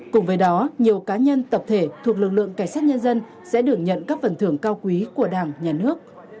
cùng với đó nhiều cá nhân tập thể thuộc lực lượng cảnh sát nhân dân sẽ được nhận các phần thưởng cao quý của đảng nhà nước